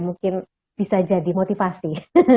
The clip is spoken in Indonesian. mungkin bisa jadi motivasi